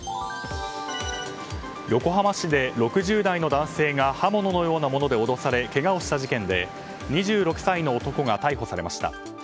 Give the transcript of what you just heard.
横浜市で、６０代の男性が刃物のようなもので脅されけがをした事件で２６歳の男が逮捕されました。